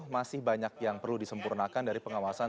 masih banyak yang perlu disempurnakan dari pengawasan